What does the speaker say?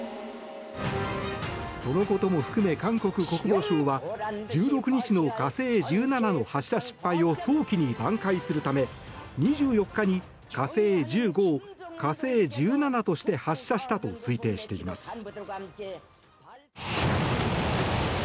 そのことも含め、韓国国防省は１６日の「火星１７」の発射失敗を早期に挽回するため２４日に「火星１５」を「火星１７」として発射したと推定しています。